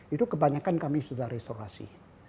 itu kebanyakan kami sudah restorasi